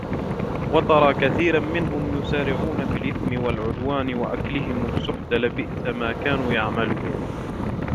وَتَرَى كَثِيرًا مِنْهُمْ يُسَارِعُونَ فِي الْإِثْمِ وَالْعُدْوَانِ وَأَكْلِهِمُ السُّحْتَ لَبِئْسَ مَا كَانُوا يَعْمَلُونَ